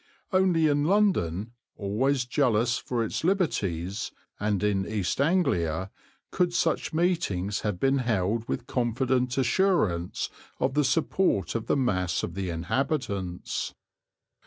Only in London, always jealous for its liberties, and in East Anglia, could such meetings have been held with confident assurance of the support of the mass of the inhabitants.